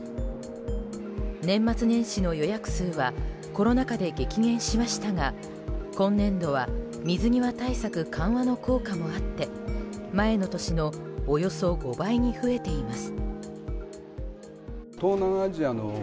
年末年始の予約数はコロナ禍で激減しましたが今年度は水際対策緩和の効果もあって前の年のおよそ５倍に増えています。